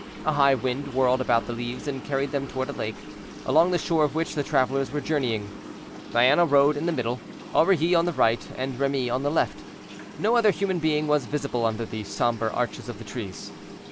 A high wind whirled about the leaves and carried them toward a lake, along the shore of which the travelers were journeying. Diana rode in the middle, Aurilly on the right, and Remy on the left. No other human being was visible under the somber arches of the trees.